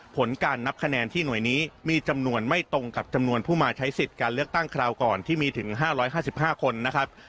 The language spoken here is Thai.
ผลการนับคะแนนที่หน่วยนี้มีจำนวนไม่ตรงกับจำนวนผู้มาใช้สิทธิ์การเลือกตั้งคราวก่อนที่มีถึง๕๕คนนะครับ